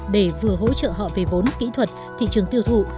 để vừa hỗ trợ họ về vốn kỹ thuật thị trường tiêu thụ